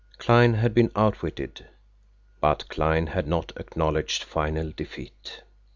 Kline had been outwitted, but Kline had not acknowledged final defeat.